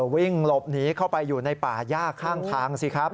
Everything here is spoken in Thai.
วิ่งหลบหนีเข้าไปอยู่ในป่าย่าข้างทางสิครับ